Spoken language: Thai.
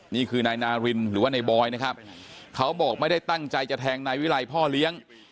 นี่คือนายนารินหรือว่านายบอยนะครับเขาบอกไม่ได้ตั้งใจจะแทงนายวิรัยพ่อเลี้ยง